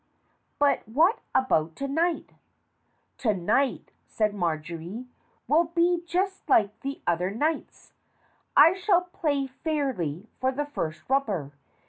But what about to night?" "To night," said Marjory, "will be just like the other nights. I shall play fairly for the first rubber.